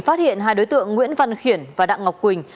phát hiện hai đối tượng nguyễn văn khiển và đặng ngọc quỳnh